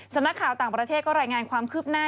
สำนักข่าวต่างประเทศก็รายงานความคืบหน้า